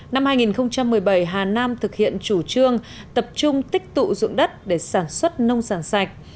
năm hai nghìn một mươi bảy hà nam thực hiện chủ trương tập trung tích tụ dụng đất để sản xuất nông sản sạch